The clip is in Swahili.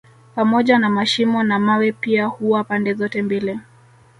Pamoja na mashimo na mawe pia huwa pande zote mbili